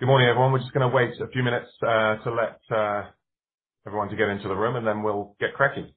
Good morning, everyone. We're just gonna wait a few minutes to let everyone get into the room, and then we'll get cracking.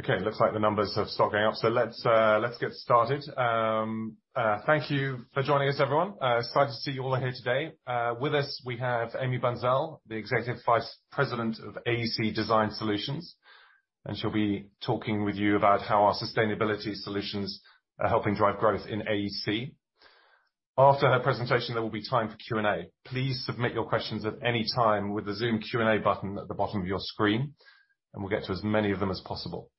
Okay. Okay, looks like the numbers have stopped going up, so let's get started. Thank you for joining us, everyone. Excited to see you all here today. With us, we have Amy Bunszel, the Executive Vice President of Architecture, Engineering, and Construction Solutions, and she'll be talking with you about how our sustainability solutions are helping drive growth in AEC. After her presentation, there will be time for Q&A. Please submit your questions at any time with the Zoom Q&A button at the bottom of your screen, and we'll get to as many of them as possible.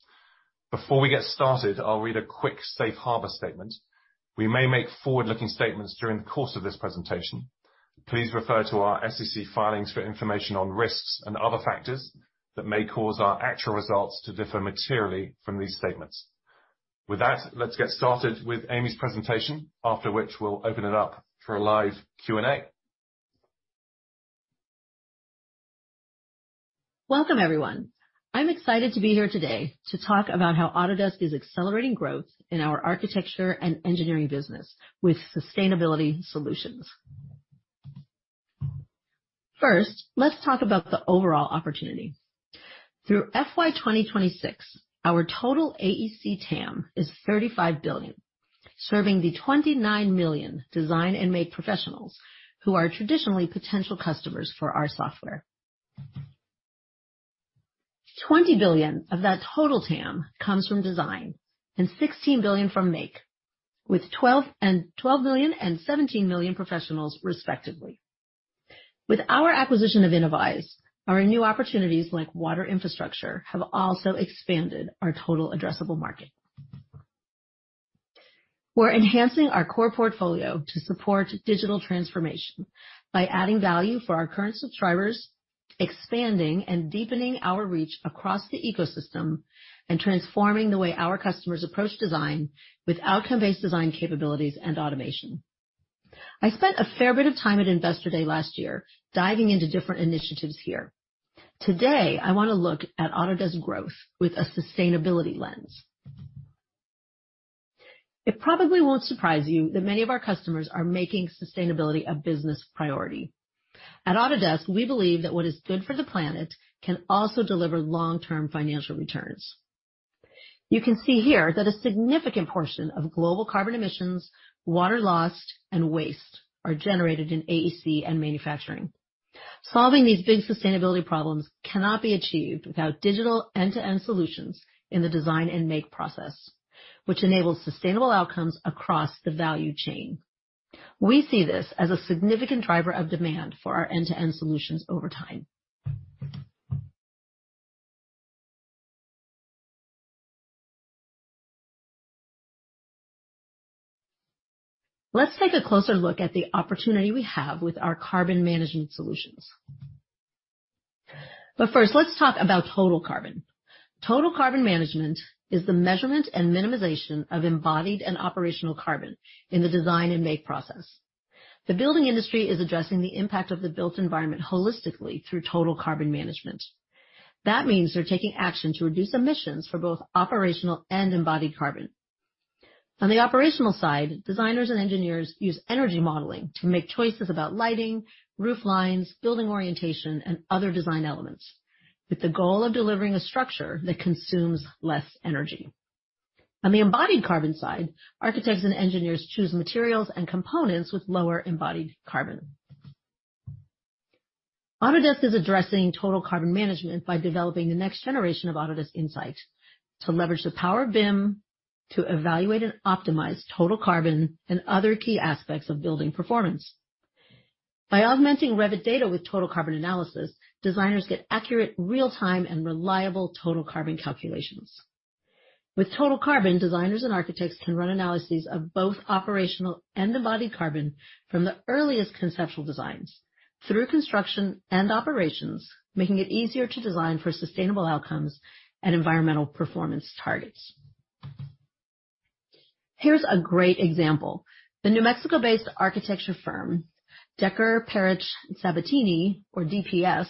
Before we get started, I'll read a quick safe harbor statement. We may make forward-looking statements during the course of this presentation. Please refer to our SEC filings for information on risks and other factors that may cause our actual results to differ materially from these statements. With that, let's get started with Amy's presentation, after which we'll open it up for a live Q&A. Welcome, everyone. I'm excited to be here today to talk about how Autodesk is accelerating growth in our architecture and engineering business with sustainability solutions. First, let's talk about the overall opportunity. Through FY 2026, our total AEC TAM is $35 billion, serving the 29 million design and make professionals who are traditionally potential customers for our software. $20 billion of that total TAM comes from design and $16 billion from make, with 12 million and 17 million professionals, respectively. With our acquisition of Innovyze, our new opportunities like water infrastructure have also expanded our total addressable market. We're enhancing our core portfolio to support digital transformation by adding value for our current subscribers, expanding and deepening our reach across the ecosystem, and transforming the way our customers approach design with outcome-based design capabilities and automation. I spent a fair bit of time at Investor Day last year diving into different initiatives here. Today, I wanna look at Autodesk growth with a sustainability lens. It probably won't surprise you that many of our customers are making sustainability a business priority. At Autodesk, we believe that what is good for the planet can also deliver long-term financial returns. You can see here that a significant portion of global carbon emissions, water lost, and waste are generated in AEC and manufacturing. Solving these big sustainability problems cannot be achieved without digital end-to-end solutions in the design and make process, which enables sustainable outcomes across the value chain. We see this as a significant driver of demand for our end-to-end solutions over time. Let's take a closer look at the opportunity we have with our carbon management solutions. First, let's talk about total carbon. Total carbon management is the measurement and minimization of embodied and operational carbon in the design and make process. The building industry is addressing the impact of the built environment holistically through total carbon management. That means they're taking action to reduce emissions for both operational and embodied carbon. On the operational side, designers and engineers use energy modeling to make choices about lighting, roof lines, building orientation, and other design elements, with the goal of delivering a structure that consumes less energy. On the embodied carbon side, architects and engineers choose materials and components with lower embodied carbon. Autodesk is addressing total carbon management by developing the next generation of Autodesk Insight to leverage the power of BIM to evaluate and optimize total carbon and other key aspects of building performance. By augmenting Revit data with total carbon analysis, designers get accurate, real-time, and reliable total carbon calculations. With total carbon, designers and architects can run analyses of both operational and embodied carbon from the earliest conceptual designs through construction and operations, making it easier to design for sustainable outcomes and environmental performance targets. Here's a great example. The New Mexico-based architecture firm, Dekker/Perich/Sabatini, or D/P/S,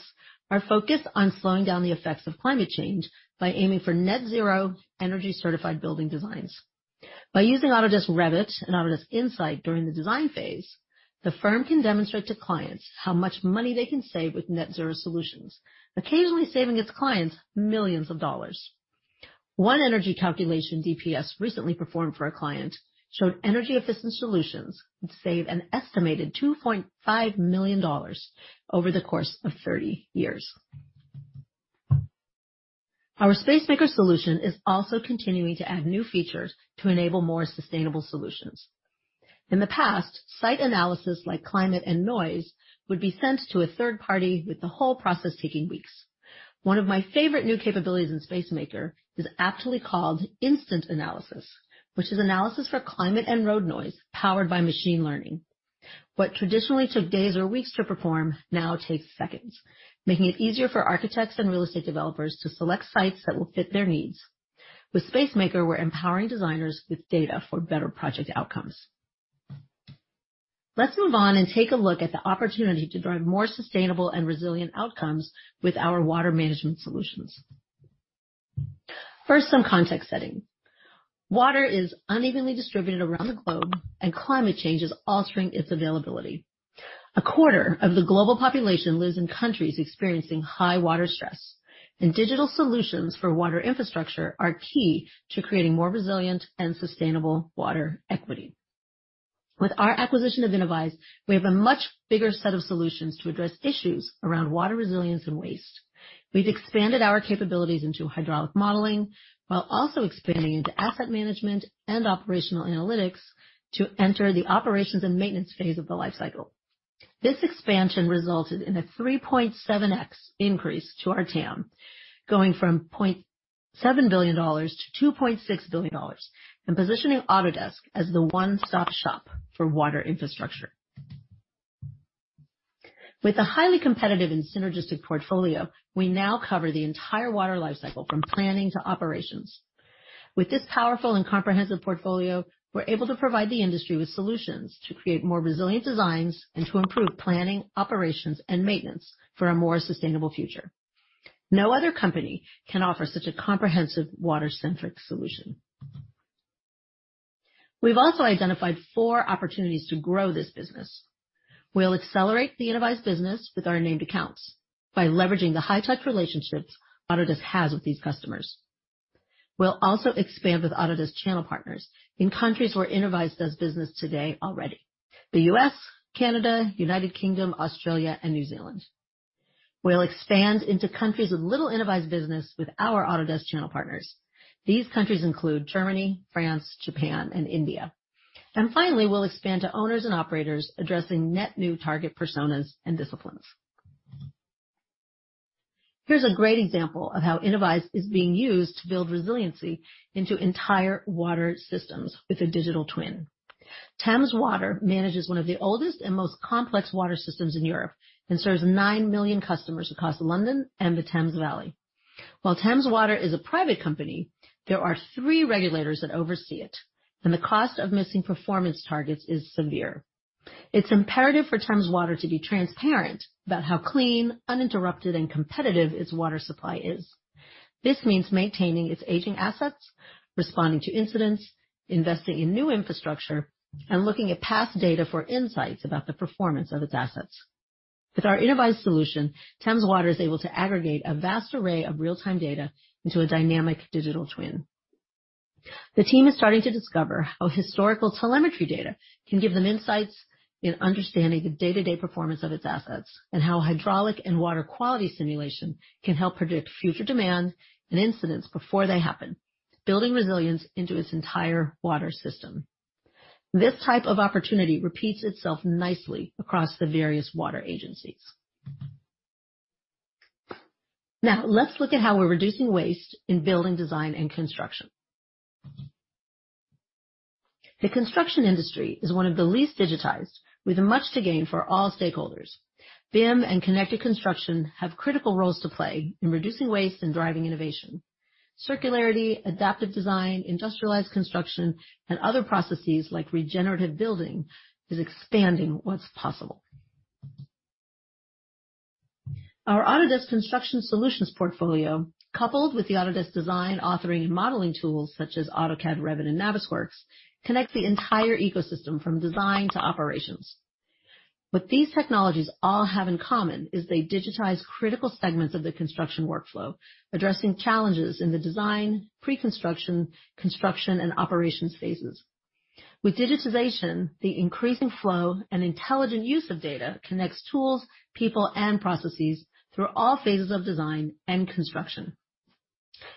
are focused on slowing down the effects of climate change by aiming for net zero energy certified building designs. By using Autodesk Revit and Autodesk Insight during the design phase, the firm can demonstrate to clients how much money they can save with net zero solutions, occasionally saving its clients millions of dollars. One energy calculation D/P/S recently performed for a client showed energy efficient solutions could save an estimated $2.5 million over the course of 30 years. Our Spacemaker solution is also continuing to add new features to enable more sustainable solutions. In the past, site analysis like climate and noise would be sent to a third party, with the whole process taking weeks. One of my favorite new capabilities in Spacemaker is aptly called Instant Analysis, which is analysis for climate and road noise powered by machine learning. What traditionally took days or weeks to perform now takes seconds, making it easier for architects and real estate developers to select sites that will fit their needs. With Spacemaker, we're empowering designers with data for better project outcomes. Let's move on and take a look at the opportunity to drive more sustainable and resilient outcomes with our water management solutions. First, some context setting. Water is unevenly distributed around the globe, and climate change is altering its availability. A quarter of the global population lives in countries experiencing high water stress, and digital solutions for water infrastructure are key to creating more resilient and sustainable water equity. With our acquisition of Innovyze, we have a much bigger set of solutions to address issues around water resilience and waste. We've expanded our capabilities into hydraulic modeling while also expanding into asset management and operational analytics to enter the operations and maintenance phase of the life cycle. This expansion resulted in a 3.7x increase to our TAM, going from $0.7 billion-$2.6 billion and positioning Autodesk as the one-stop-shop for water infrastructure. With a highly competitive and synergistic portfolio, we now cover the entire water life cycle, from planning to operations. With this powerful and comprehensive portfolio, we're able to provide the industry with solutions to create more resilient designs and to improve planning, operations, and maintenance for a more sustainable future. No other company can offer such a comprehensive water-centric solution. We've also identified four opportunities to grow this business. We'll accelerate the Innovyze business with our named accounts by leveraging the high-touch relationships Autodesk has with these customers. We'll also expand with Autodesk channel partners in countries where Innovyze does business today already, the U.S., Canada, United Kingdom, Australia, and New Zealand. We'll expand into countries with little Innovyze business with our Autodesk channel partners. These countries include Germany, France, Japan, and India. Finally, we'll expand to owners and operators addressing net new target personas and disciplines. Here's a great example of how Innovyze is being used to build resiliency into entire water systems with a digital twin. Thames Water manages one of the oldest and most complex water systems in Europe and serves 9 million customers across London and the Thames Valley. While Thames Water is a private company, there are three regulators that oversee it, and the cost of missing performance targets is severe. It's imperative for Thames Water to be transparent about how clean, uninterrupted, and competitive its water supply is. This means maintaining its aging assets, responding to incidents, investing in new infrastructure, and looking at past data for insights about the performance of its assets. With our Innovyze solution, Thames Water is able to aggregate a vast array of real-time data into a dynamic digital twin. The team is starting to discover how historical telemetry data can give them insights in understanding the day-to-day performance of its assets, and how hydraulic and water quality simulation can help predict future demands and incidents before they happen, building resilience into its entire water system. This type of opportunity repeats itself nicely across the various water agencies. Now, let's look at how we're reducing waste in building design and construction. The construction industry is one of the least digitized, with much to gain for all stakeholders. BIM and connected construction have critical roles to play in reducing waste and driving innovation. Circularity, adaptive design, industrialized construction, and other processes like regenerative building is expanding what's possible. Our Autodesk Construction Solutions portfolio, coupled with the Autodesk design, authoring, and modeling tools such as AutoCAD, Revit, and Navisworks, connects the entire ecosystem from design to operations. What these technologies all have in common is they digitize critical segments of the construction workflow, addressing challenges in the design, pre-construction, construction, and operations phases. With digitization, the increasing flow and intelligent use of data connects tools, people, and processes through all phases of design and construction.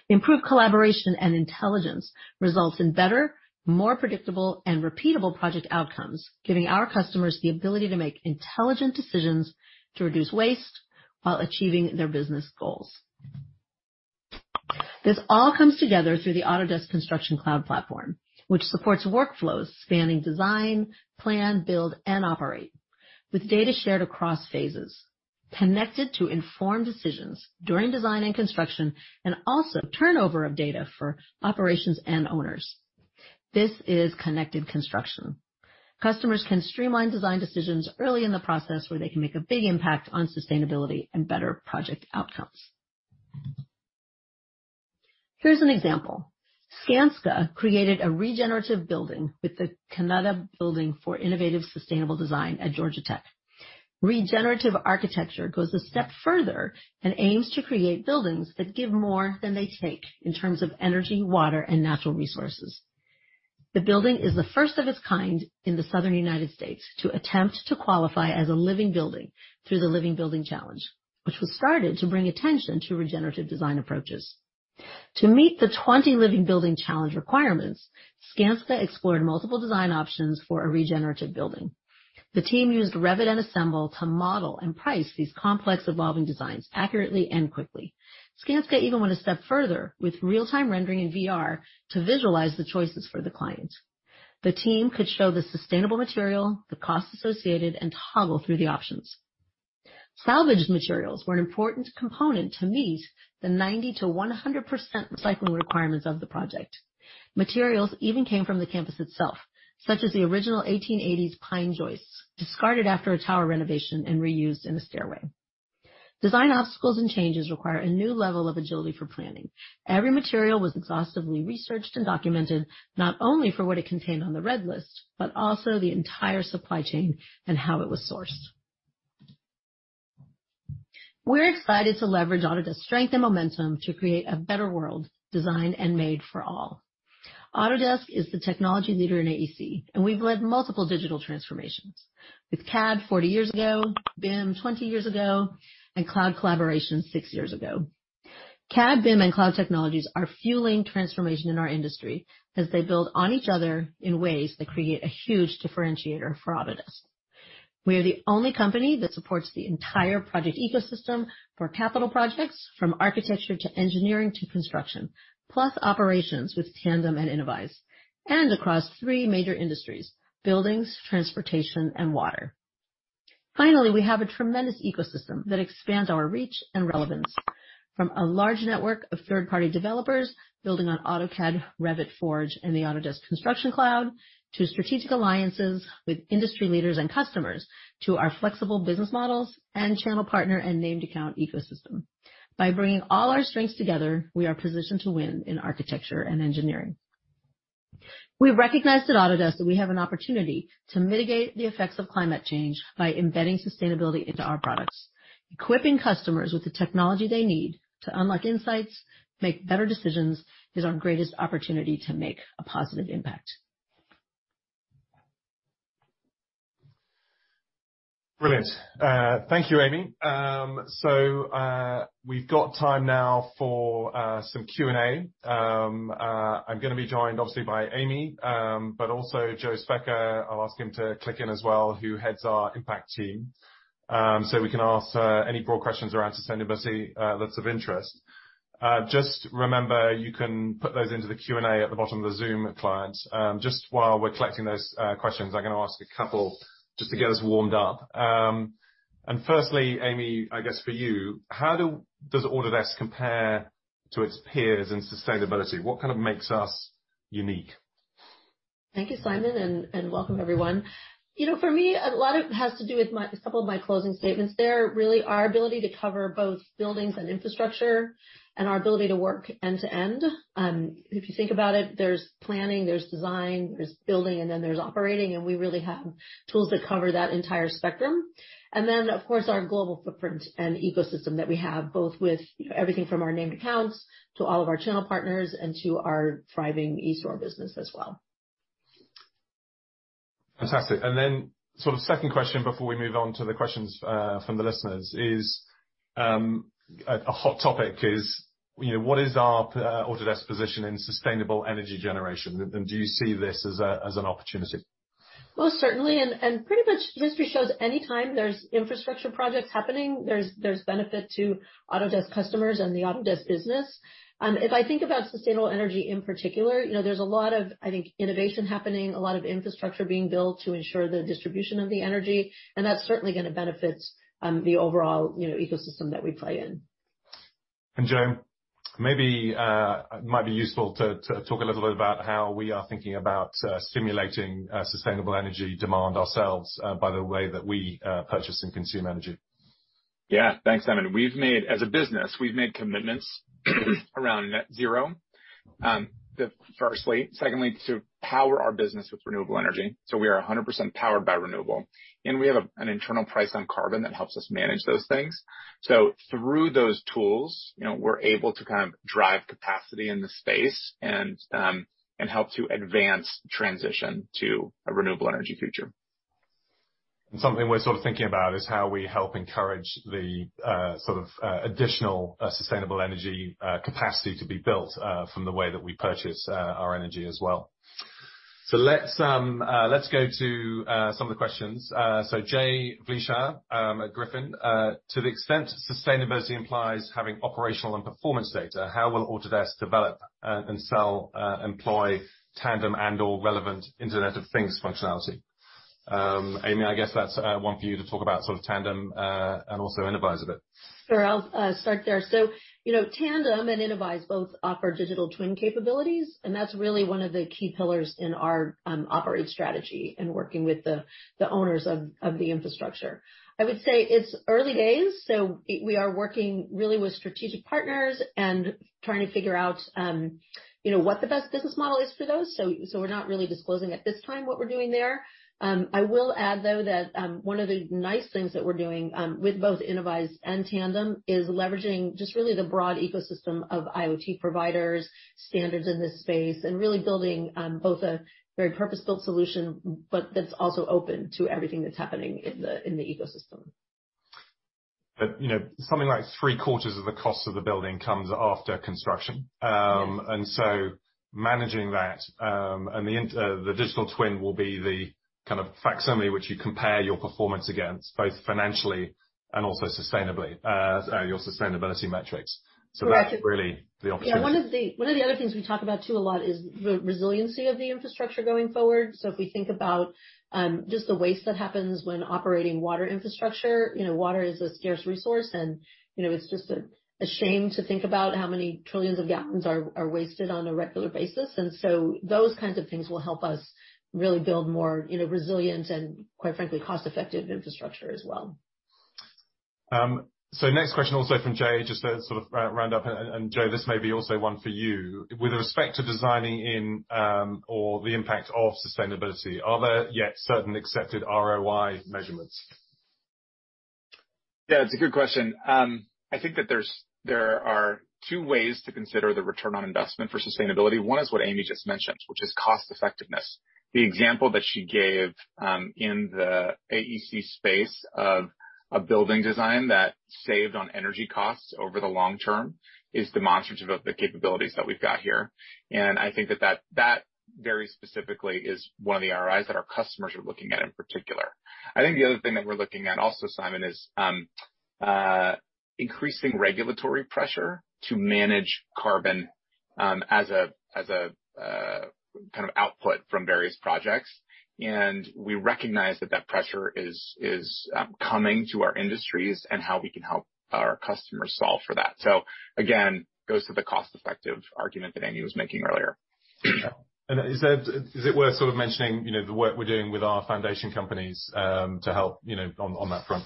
Improved collaboration and intelligence results in better, more predictable, and repeatable project outcomes, giving our customers the ability to make intelligent decisions to reduce waste while achieving their business goals. This all comes together through the Autodesk Construction Cloud platform, which supports workflows spanning design, plan, build, and operate, with data shared across phases, connected to informed decisions during design and construction, and also turnover of data for operations and owners. This is connected construction. Customers can streamline design decisions early in the process, where they can make a big impact on sustainability and better project outcomes. Here's an example. Skanska created a regenerative building with the Kendeda Building for Innovative Sustainable Design at Georgia Tech. Regenerative architecture goes a step further and aims to create buildings that give more than they take in terms of energy, water, and natural resources. The building is the first of its kind in the Southern United States to attempt to qualify as a living building through the Living Building Challenge, which was started to bring attention to regenerative design approaches. To meet the 20 Living Building Challenge requirements, Skanska explored multiple design options for a regenerative building. The team used Revit and Assemble to model and price these complex evolving designs accurately and quickly. Skanska even went a step further with real-time rendering in VR to visualize the choices for the clients. The team could show the sustainable material, the cost associated, and toggle through the options. Salvaged materials were an important component to meet the 90%-100% recycling requirements of the project. Materials even came from the campus itself, such as the original 1880s pine joists discarded after a tower renovation and reused in the stairway. Design obstacles and changes require a new level of agility for planning. Every material was exhaustively researched and documented not only for what it contained on the red list, but also the entire supply chain and how it was sourced. We're excited to leverage Autodesk strength and momentum to create a better world designed and made for all. Autodesk is the technology leader in AEC, and we've led multiple digital transformations. With CAD 40 years ago, BIM 20 years ago, and cloud collaboration six years ago. CAD, BIM, and cloud technologies are fueling transformation in our industry as they build on each other in ways that create a huge differentiator for Autodesk. We are the only company that supports the entire project ecosystem for capital projects, from architecture to engineering to construction, plus operations with Tandem and Innovyze, and across three major industries, buildings, transportation, and water. Finally, we have a tremendous ecosystem that expands our reach and relevance, from a large network of third-party developers building on AutoCAD, Revit, Forge, and the Autodesk Construction Cloud, to strategic alliances with industry leaders and customers, to our flexible business models and channel partner and named account ecosystem. By bringing all our strengths together, we are positioned to win in architecture and engineering. We've recognized at Autodesk that we have an opportunity to mitigate the effects of climate change by embedding sustainability into our products. Equipping customers with the technology they need to unlock insights, make better decisions, is our greatest opportunity to make a positive impact. Brilliant. Thank you, Amy. We've got time now for some Q&A. I'm gonna be joined, obviously, by Amy, but also Joe Speicher. I'll ask him to click in as well, who heads our impact team. We can ask any broad questions around sustainability that's of interest. Just remember, you can put those into the Q&A at the bottom of the Zoom client. Just while we're collecting those questions, I'm gonna ask a couple just to get us warmed up. Firstly, Amy, I guess for you, how does Autodesk compare to its peers in sustainability? What kind of makes us unique? Thank you, Simon, and welcome everyone. You know, for me, a lot of it has to do with my, a couple of my closing statements there, really, our ability to cover both buildings and infrastructure and our ability to work end to end. If you think about it, there's planning, there's design, there's building, and then there's operating, and we really have tools that cover that entire spectrum. Then, of course, our global footprint and ecosystem that we have, both with, you know, everything from our named accounts to all of our channel partners, and to our thriving each as business as well. Fantastic. Sort of second question before we move on to the questions from the listeners is a hot topic, you know, what is our Autodesk position in sustainable energy generation? And do you see this as an opportunity? Most certainly. Pretty much history shows anytime there's infrastructure projects happening, there's benefit to Autodesk customers and the Autodesk business. If I think about sustainable energy in particular, you know, there's a lot of, I think, innovation happening, a lot of infrastructure being built to ensure the distribution of the energy, and that's certainly gonna benefit the overall, you know, ecosystem that we play in. Joe, maybe it might be useful to talk a little bit about how we are thinking about stimulating sustainable energy demand ourselves by the way that we purchase and consume energy. Yeah. Thanks, Simon. As a business, we've made commitments around net zero. Secondly, to power our business with renewable energy. We are 100% powered by renewable. We have an internal price on carbon that helps us manage those things. Through those tools, you know, we're able to kind of drive capacity in the space and help to advance transition to a renewable energy future. Something we're sort of thinking about is how we help encourage the sort of additional sustainable energy capacity to be built from the way that we purchase our energy as well. Let's go to some of the questions. Jay Vleeschhouwer at Griffin. To the extent sustainability implies having operational and performance data, how will Autodesk develop, sell, and employ Tandem and/or relevant Internet of Things functionality? Amy, I guess that's one for you to talk about sort of Tandem and also Innovyze a bit. Sure. I'll start there. You know, Tandem and Innovyze both offer digital twin capabilities, and that's really one of the key pillars in our operate strategy in working with the owners of the infrastructure. I would say it's early days. We are working really with strategic partners and trying to figure out, you know, what the best business model is for those. We're not really disclosing at this time what we're doing there. I will add, though, that one of the nice things that we're doing with both Innovyze and Tandem is leveraging just really the broad ecosystem of IoT providers, standards in this space, and really building both a very purpose-built solution, but that's also open to everything that's happening in the ecosystem. You know, something like three-quarters of the cost of the building comes after construction. Managing that, and the digital twin will be the kind of facsimile which you compare your performance against, both financially and also sustainably, your sustainability metrics. Correct. That's really the opportunity. Yeah, one of the other things we talk about too a lot is the resiliency of the infrastructure going forward. If we think about just the waste that happens when operating water infrastructure, you know, water is a scarce resource and, you know, it's just a shame to think about how many trillions of gallons are wasted on a regular basis. Those kinds of things will help us really build more, you know, resilient and quite frankly, cost-effective infrastructure as well. Next question also from Jay, just to sort of round up, and Joe, this may be also one for you. With respect to designing in, or the impact of sustainability, are there yet certain accepted ROI measurements? Yeah, it's a good question. I think that there are two ways to consider the return on investment for sustainability. One is what Amy just mentioned, which is cost effectiveness. The example that she gave in the AEC space of a building design that saved on energy costs over the long term is demonstrative of the capabilities that we've got here. I think that very specifically is one of the ROIs that our customers are looking at in particular. I think the other thing that we're looking at also, Simon, is increasing regulatory pressure to manage carbon as a kind of output from various projects. We recognize that pressure is coming to our industries and how we can help our customers solve for that. Goes to the cost-effective argument that Amy was making earlier. Is it worth sort of mentioning, you know, the work we're doing with our foundation companies, to help, you know, on that front?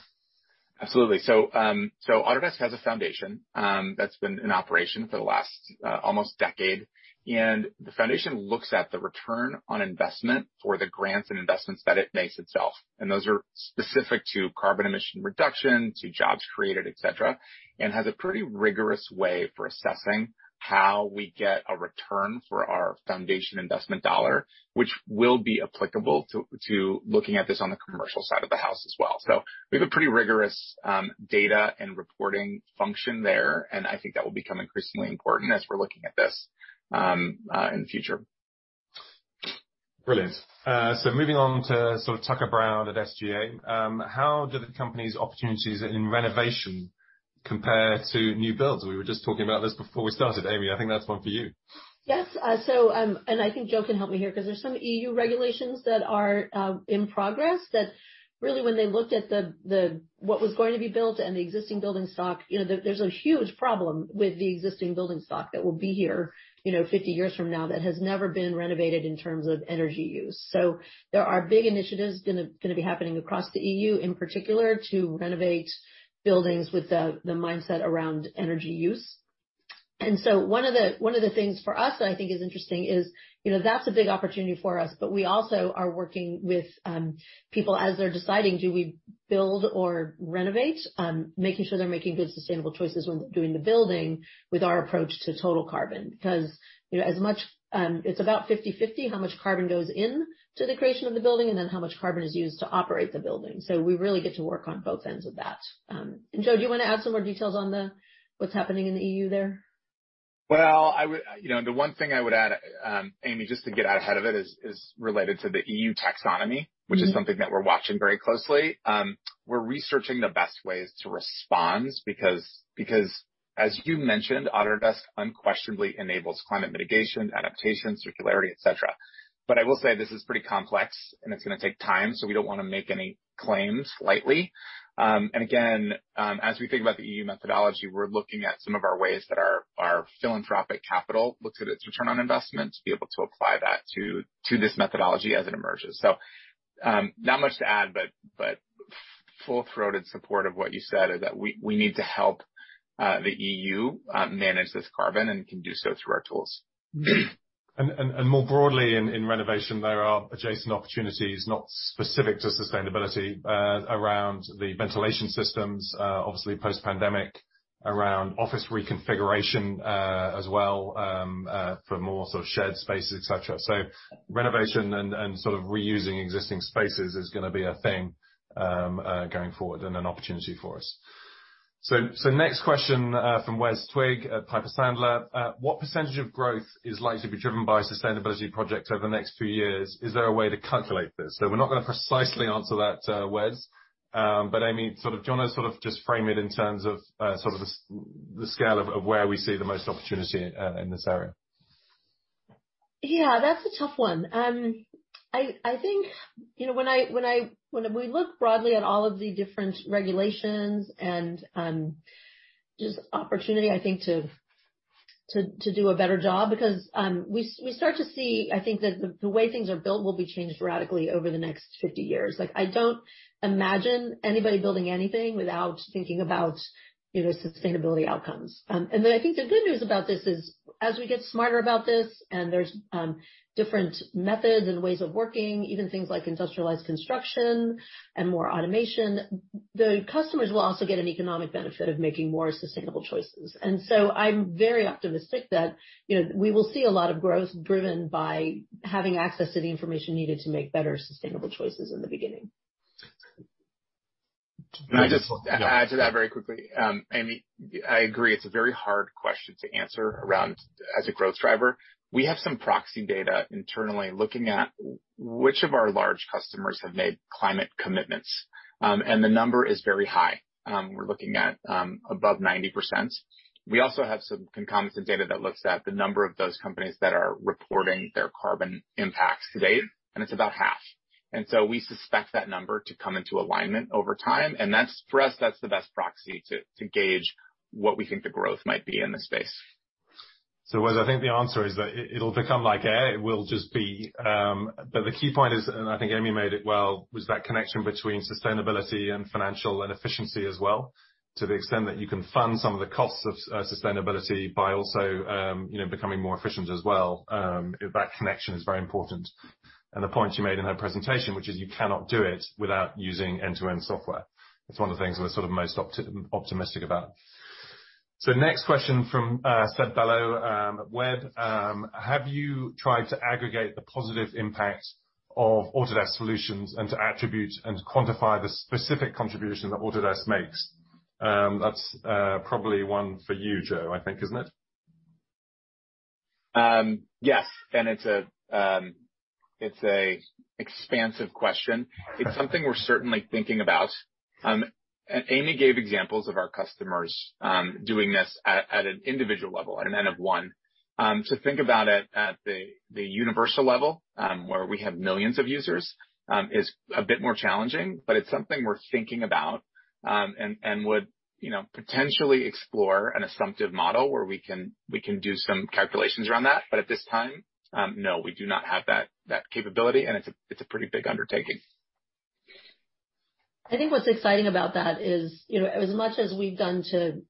Absolutely. Autodesk has a foundation that's been in operation for the last almost decade. The foundation looks at the return on investment for the grants and investments that it makes itself. Those are specific to carbon emission reduction, to jobs created, et cetera, and has a pretty rigorous way for assessing how we get a return for our foundation investment dollar, which will be applicable to looking at this on the commercial side of the house as well. We have a pretty rigorous data and reporting function there, and I think that will become increasingly important as we're looking at this in the future. Brilliant. Moving on to sort of Tucker Brown at Stephens Inc.. How do the company's opportunities in renovation compare to new builds? We were just talking about this before we started. Amy, I think that's one for you. Yes. I think Joe can help me here because there's some EU regulations that are in progress that really when they looked at the what was going to be built and the existing building stock, you know, there's a huge problem with the existing building stock that will be here 50 years from now that has never been renovated in terms of energy use. There are big initiatives gonna be happening across the EU in particular to renovate buildings with the mindset around energy use. One of the things for us that I think is interesting is, you know, that's a big opportunity for us, but we also are working with people as they're deciding, do we build or renovate, making sure they're making good sustainable choices when doing the building with our approach to total carbon. Because, you know, as much, it's about 50/50, how much carbon goes into the creation of the building and then how much carbon is used to operate the building. We really get to work on both ends of that. Joe, do you wanna add some more details on what's happening in the EU there? Well, I would, you know, the one thing I would add, Amy, just to get out ahead of it is related to the EU taxonomy. Mm-hmm. Which is something that we're watching very closely. We're researching the best ways to respond because as you mentioned, Autodesk unquestionably enables climate mitigation, adaptation, circularity, et cetera. But I will say this is pretty complex and it's gonna take time, so we don't wanna make any claims lightly. Again, as we think about the EU methodology, we're looking at some of our ways that our philanthropic capital looks at its return on investment to be able to apply that to this methodology as it emerges. Not much to add, but full-throated support of what you said is that we need to help the EU manage this carbon, and can do so through our tools. More broadly in renovation, there are adjacent opportunities, not specific to sustainability, around the ventilation systems, obviously post-pandemic, around office reconfiguration, as well, for more sort of shared spaces, et cetera. Renovation and sort of reusing existing spaces is gonna be a thing, going forward and an opportunity for us. Next question, from Weston Twigg at Piper Sandler. What percentage of growth is likely to be driven by sustainability projects over the next two years? Is there a way to calculate this? We're not gonna precisely answer that, Weston But Amy, sort of, do you wanna sort of just frame it in terms of, sort of the scale of where we see the most opportunity, in this area? Yeah, that's a tough one. I think, you know, when we look broadly at all of the different regulations and just opportunity, I think to do a better job because we start to see, I think, that the way things are built will be changed radically over the next 50 years. Like, I don't imagine anybody building anything without thinking about, you know, sustainability outcomes. I think the good news about this is as we get smarter about this and there's different methods and ways of working, even things like industrialized construction and more automation, the customers will also get an economic benefit of making more sustainable choices. I'm very optimistic that, you know, we will see a lot of growth driven by having access to the information needed to make better sustainable choices in the beginning. Can I just add to that very quickly? Amy, I agree, it's a very hard question to answer around as a growth driver. We have some proxy data internally looking at which of our large customers have made climate commitments. The number is very high. We're looking at above 90%. We also have some concomitant data that looks at the number of those companies that are reporting their carbon impacts today, and it's about half. We suspect that number to come into alignment over time. That's for us, that's the best proxy to gauge what we think the growth might be in this space. Weston, I think the answer is that it'll become like air. It will just be, but the key point is, and I think Amy made it well, was that connection between sustainability and financial and efficiency as well, to the extent that you can fund some of the costs of sustainability by also, you know, becoming more efficient as well. That connection is very important. The point she made in her presentation, which is you cannot do it without using end-to-end software. It's one of the things we're sort of most optimistic about. Next question from Seth Bello at Wedbush. Have you tried to aggregate the positive impact of Autodesk solutions and to attribute and quantify the specific contribution that Autodesk makes? That's probably one for you, Joe, I think, isn't it? Yes, it's a expansive question. It's something we're certainly thinking about. Amy gave examples of our customers doing this at an individual level at an N of 1. To think about it at the universal level where we have millions of users is a bit more challenging, but it's something we're thinking about, and would, you know, potentially explore an assumptive model where we can do some calculations around that. At this time, no, we do not have that capability, and it's a pretty big undertaking. I think what's exciting about that is, you know, as much as we've done to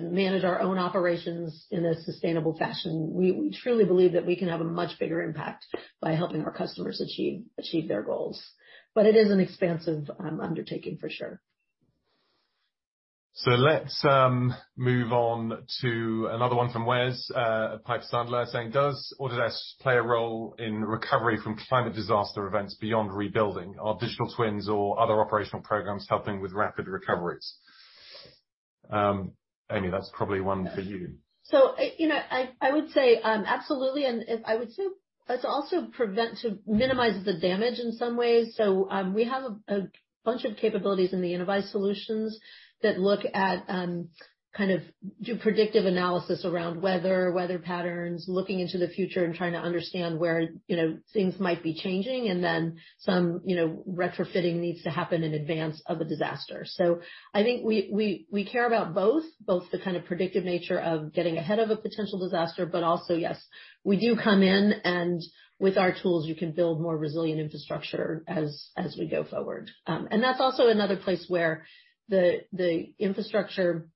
manage our own operations in a sustainable fashion, we truly believe that we can have a much bigger impact by helping our customers achieve their goals. It is an expansive undertaking for sure. Let's move on to another one from Weston at Piper Sandler, saying, does Autodesk play a role in recovery from climate disaster events beyond rebuilding? Are digital twins or other operational programs helping with rapid recoveries? Amy, that's probably one for you. You know, I would say absolutely, and I would say it's also to minimize the damage in some ways. We have a bunch of capabilities in the Innovyze solutions that look at kind of do predictive analysis around weather patterns, looking into the future and trying to understand where, you know, things might be changing, and then some, you know, retrofitting needs to happen in advance of a disaster. I think we care about both. Both the kind of predictive nature of getting ahead of a potential disaster, but also, yes, we do come in and with our tools, you can build more resilient infrastructure as we go forward. That's also another place where the infrastructure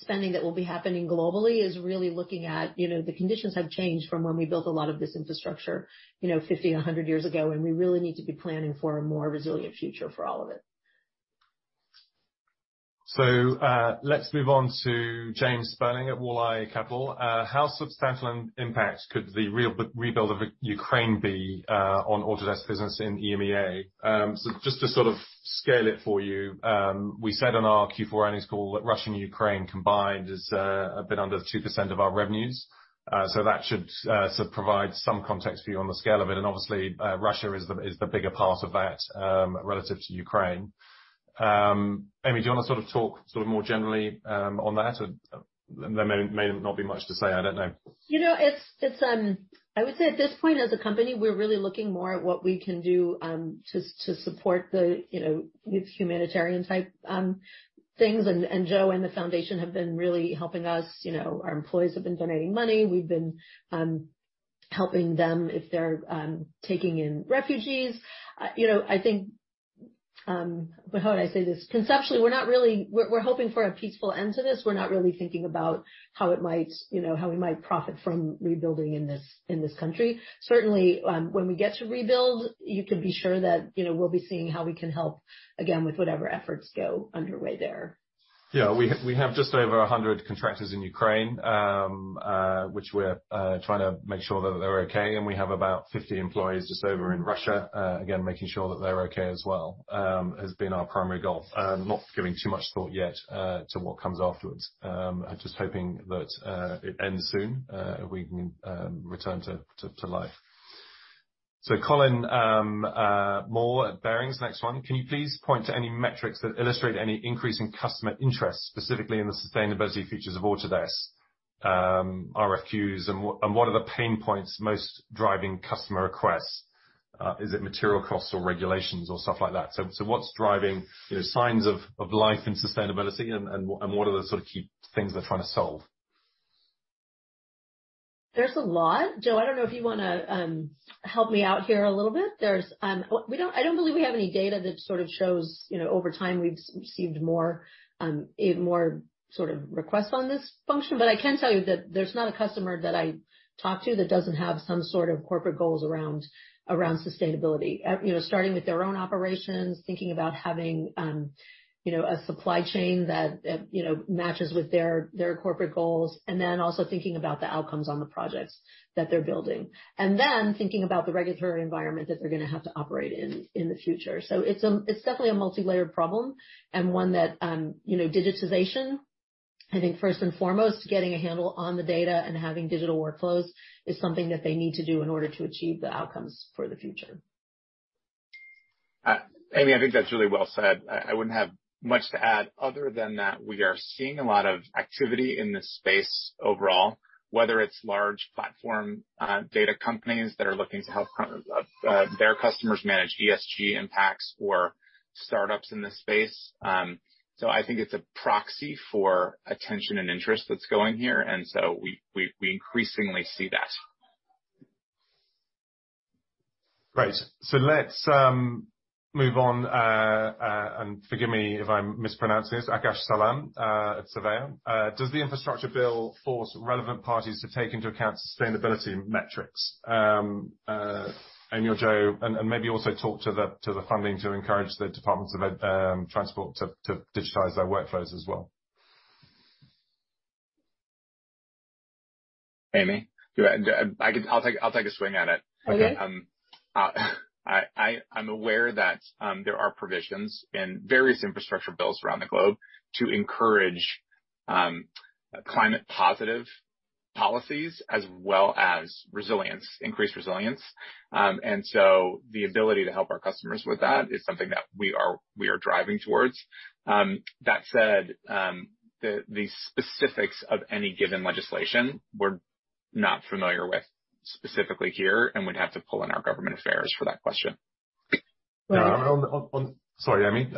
spending that will be happening globally is really looking at, you know, the conditions have changed from when we built a lot of this infrastructure, you know, 50, 100 years ago, and we really need to be planning for a more resilient future for all of it. Let's move on to James Tanqueray at Walleye Capital. How substantial an impact could the rebuild of Ukraine be on Autodesk business in EMEA? Just to sort of scale it for you, we said on our Q4 earnings call that Russia and Ukraine combined is a bit under 2% of our revenues. That should sort of provide some context for you on the scale of it. Obviously, Russia is the bigger part of that relative to Ukraine. Amy, do you wanna sort of talk sort of more generally on that? Or there may not be much to say, I don't know. You know, I would say at this point as a company, we're really looking more at what we can do to support the, you know, these humanitarian type things. Joe and the foundation have been really helping us. You know, our employees have been donating money. We've been helping them if they're taking in refugees. You know, I think, how would I say this? Conceptually, we're hoping for a peaceful end to this. We're not really thinking about how it might, you know, how we might profit from rebuilding in this country. Certainly, when we get to rebuild, you can be sure that, you know, we'll be seeing how we can help again with whatever efforts go underway there. We have just over 100 contractors in Ukraine, which we're trying to make sure that they're okay. We have about 50 employees just over in Russia, again, making sure that they're okay as well, has been our primary goal. Not giving too much thought yet to what comes afterwards. Just hoping that it ends soon and we can return to life. Colin Moore at Baird, next one. Can you please point to any metrics that illustrate any increase in customer interest, specifically in the sustainability features of Autodesk RFQs, and what are the pain points most driving customer requests? Is it material costs or regulations or stuff like that? What's driving, you know, signs of life and sustainability and what are the sort of key things they're trying to solve? There's a lot. Joe, I don't know if you wanna help me out here a little bit. I don't believe we have any data that sort of shows, you know, over time, we've received more sort of requests on this function. But I can tell you that there's not a customer that I talk to that doesn't have some sort of corporate goals around sustainability. You know, starting with their own operations, thinking about having a supply chain that matches with their corporate goals, and then also thinking about the outcomes on the projects that they're building, thinking about the regulatory environment that they're gonna have to operate in in the future. It's definitely a multilayered problem and one that, you know, digitization, I think first and foremost, getting a handle on the data and having digital workflows is something that they need to do in order to achieve the outcomes for the future. Amy, I think that's really well said. I wouldn't have much to add other than that we are seeing a lot of activity in this space overall, whether it's large platform data companies that are looking to help their customers manage ESG impacts or startups in this space. I think it's a proxy for attention and interest that's going here. We increasingly see that. Right. Let's move on and forgive me if I'm mispronouncing this. Akash Salam at Surveyor. Does the infrastructure bill force relevant parties to take into account sustainability metrics? Amy or Joe, and maybe also talk about the funding to encourage the Departments of Transportation to digitize their workflows as well. Amy, go ahead. I'll take a swing at it. Okay. I'm aware that there are provisions in various infrastructure bills around the globe to encourage climate positive policies as well as resilience, increased resilience. The ability to help our customers with that is something that we are driving towards. That said, the specifics of any given legislation we're not familiar with specifically here, and we'd have to pull in our government affairs for that question. Well- Sorry, Amy.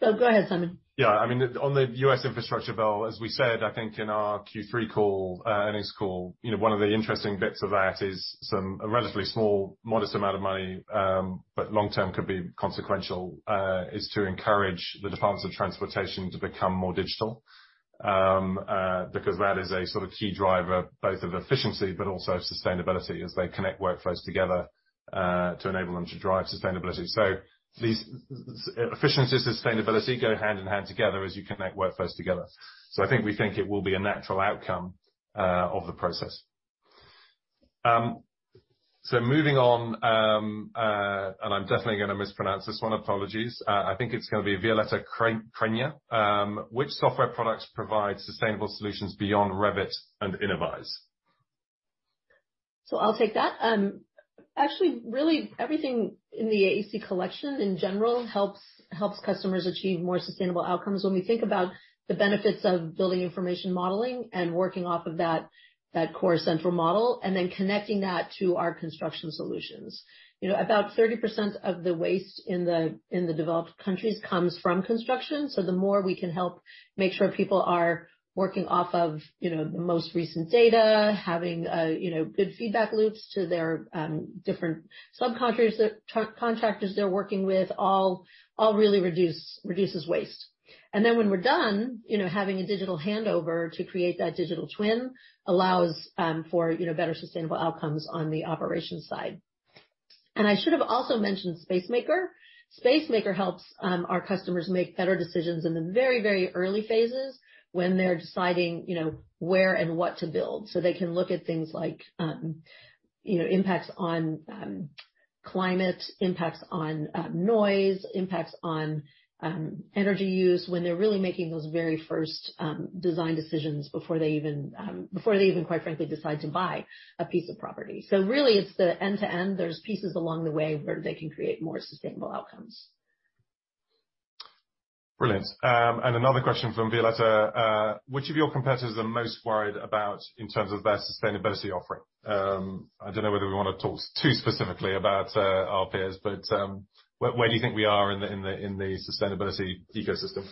No, go ahead, Simon. Yeah. I mean, on the U.S. infrastructure bill, as we said, I think in our Q3 call, earnings call, you know, one of the interesting bits of that is some, a relatively small modest amount of money, but long-term could be consequential, is to encourage the Departments of Transportation to become more digital. Because that is a sort of key driver both of efficiency but also sustainability as they connect workflows together, to enable them to drive sustainability. These, efficiency, sustainability go hand in hand together as you connect workflows together. I think we think it will be a natural outcome of the process. Moving on, I'm definitely gonna mispronounce this one. Apologies. I think it's gonna be Violeta Crane. Which software products provide sustainable solutions beyond Revit and Innovyze? I'll take that. Actually, really everything in the AEC Collection in general helps customers achieve more sustainable outcomes when we think about the benefits of building information modeling and working off of that core central model, and then connecting that to our construction solutions. About 30% of the waste in the developed countries comes from construction. The more we can help make sure people are working off of the most recent data, having good feedback loops to their different subcontractors, partners, contractors they're working with, all really reduces waste. Then when we're done, having a digital handover to create that digital twin allows for better sustainable outcomes on the operations side. I should have also mentioned Spacemaker. Spacemaker helps our customers make better decisions in the very, very early phases when they're deciding, you know, where and what to build. They can look at things like, you know, impacts on climate, impacts on noise, impacts on energy use when they're really making those very first design decisions before they even, quite frankly, decide to buy a piece of property. Really it's the end to end. There's pieces along the way where they can create more sustainable outcomes. Brilliant. Another question from Violeta Crane. Which of your competitors are most worried about in terms of their sustainability offering? I don't know whether we wanna talk too specifically about our peers, but where do you think we are in the sustainability ecosystem?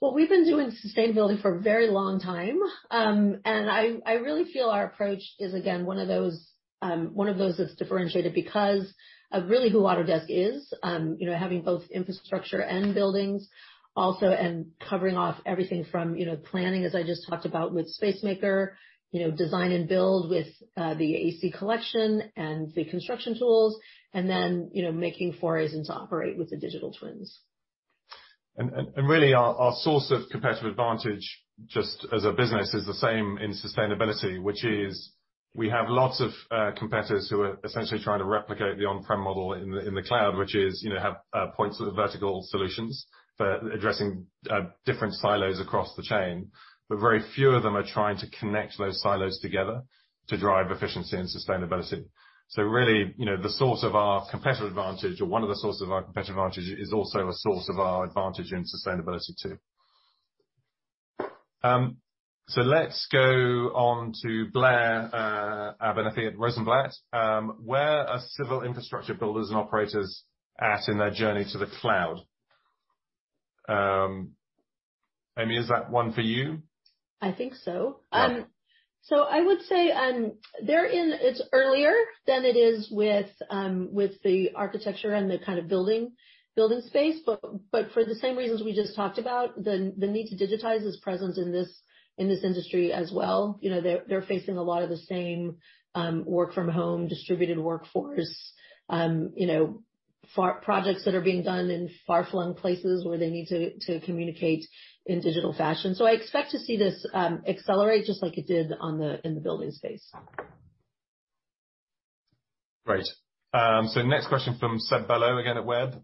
Well, we've been doing sustainability for a very long time. I really feel our approach is, again, one of those that's differentiated because of really who Autodesk is. You know, having both infrastructure and buildings also, and covering off everything from, you know, planning, as I just talked about with Spacemaker, you know, design and build with the AEC Collection and the construction tools, and then, you know, making forays into operate with the digital twins. Really our source of competitive advantage, just as a business, is the same in sustainability. Which is we have lots of competitors who are essentially trying to replicate the on-prem model in the cloud, which is, you know, have point solutions for addressing different silos across the chain. But very few of them are trying to connect those silos together to drive efficiency and sustainability. Really, you know, the source of our competitive advantage or one of the sources of our competitive advantage is also a source of our advantage in sustainability too. Let's go on to Blair Abernethy at Rosenblatt. Where are civil infrastructure builders and operators at in their journey to the cloud? Amy, is that one for you? I think so. I would say, it's earlier than it is with the architecture and the kind of building space, but for the same reasons we just talked about, the need to digitize is present in this industry as well. You know, they're facing a lot of the same work from home, distributed workforce, you know, projects that are being done in far-flung places where they need to communicate in digital fashion. I expect to see this accelerate just like it did in the building space. Great. Next question from Seth Bello again at Wedbush.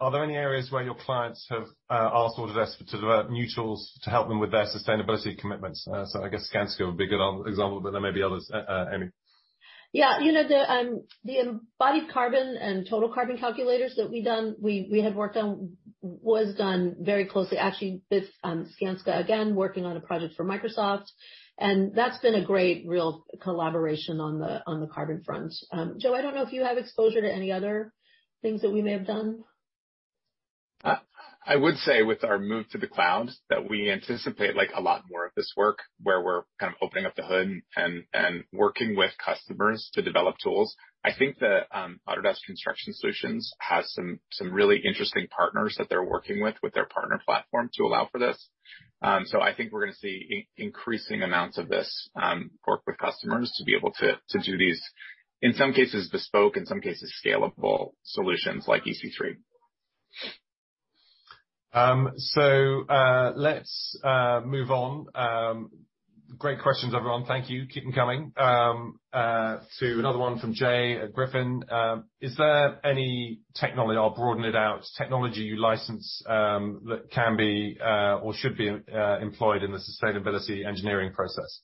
Are there any areas where your clients have asked Autodesk to develop new tools to help them with their sustainability commitments? I guess Skanska would be a good example, but there may be others, Amy. Yeah. You know, the embodied carbon and total carbon calculators that we've done, we had worked on was done very closely. Actually with Skanska again, working on a project for Microsoft, and that's been a great real collaboration on the carbon front. Joe, I don't know if you have exposure to any other things that we may have done. I would say with our move to the cloud, that we anticipate, like, a lot more of this work where we're kind of opening up the hood and working with customers to develop tools. I think that Autodesk Construction Solutions has some really interesting partners that they're working with their partner platform to allow for this. I think we're gonna see increasing amounts of this work with customers to be able to do these, in some cases bespoke, in some cases scalable solutions like EC3. Let's move on. Great questions, everyone. Thank you. Keep them coming. To another one from Jay at Griffin. Is there any technology? I'll broaden it out, technology you license that can be or should be employed in the sustainability engineering process?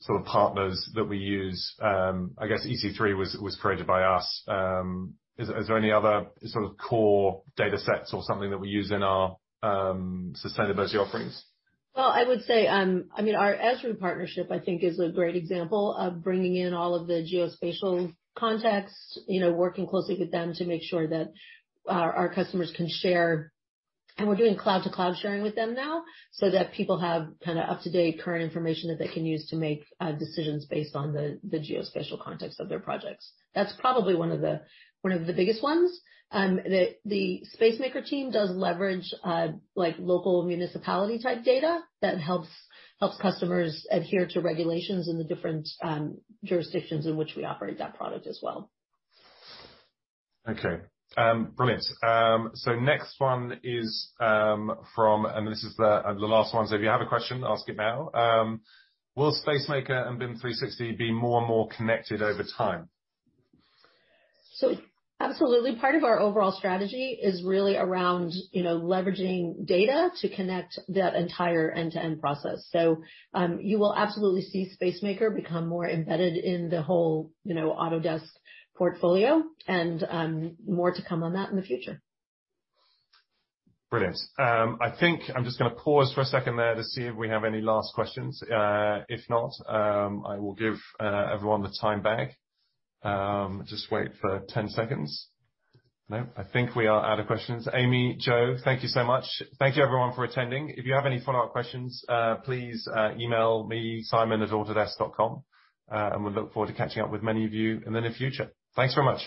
Sort of partners that we use. I guess EC3 was created by us. Is there any other sort of core data sets or something that we use in our sustainability offerings? Well, I would say, I mean, our Esri partnership, I think is a great example of bringing in all of the geospatial context, you know, working closely with them to make sure that our customers can share. We're doing cloud to cloud sharing with them now so that people have kind of up-to-date current information that they can use to make decisions based on the geospatial context of their projects. That's probably one of the biggest ones. The Spacemaker team does leverage like local municipality-type data that helps customers adhere to regulations in the different jurisdictions in which we operate that product as well. Okay. Brilliant. Next one is the last one, so if you have a question, ask it now. Will Spacemaker and BIM 360 be more and more connected over time? Absolutely. Part of our overall strategy is really around, you know, leveraging data to connect that entire end-to-end process. You will absolutely see Spacemaker become more embedded in the whole, you know, Autodesk portfolio and, more to come on that in the future. Brilliant. I think I'm just gonna pause for a second there to see if we have any last questions. If not, I will give everyone the time back. Just wait for 10 seconds. No, I think we are out of questions. Amy, Joe, thank you so much. Thank you everyone for attending. If you have any follow-up questions, please email me, simon@autodesk.com. We look forward to catching up with many of you in the near future. Thanks very much.